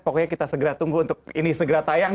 pokoknya kita segera tunggu untuk ini segera tayang